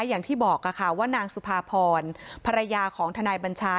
อย่างที่บอกค่ะว่านางสุภาพรภรรยาของทนายบัญชา